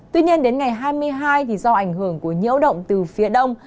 tuy nhiên đến ngày hai mươi hai do ảnh hưởng của nhiễu động từ phía đông